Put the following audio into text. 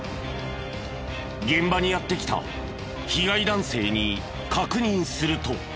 現場にやって来た被害男性に確認すると。